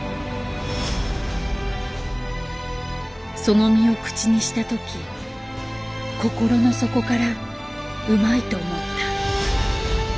その身を口にしたとき心の底からうまいと思った。